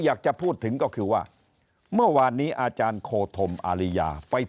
อยากจะพูดถึงก็คือว่าเมื่อวานนี้อาจารย์โคธมอาริยาไป